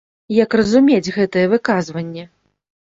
Як разумець гэтае выказванне?